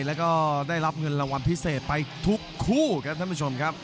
แล้วก็ได้รับเงินรางวัลพิเศษไปทุกคู่ครับท่านผู้ชมครับ